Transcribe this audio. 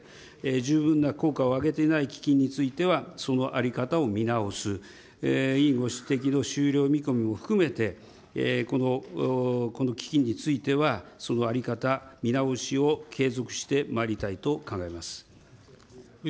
十分な効果を上げていない基金についてはその在り方を見直す、委員ご指摘の終了見込みも含めてこの基金については、その在り方、見直しを継続してまいりたいと考えます。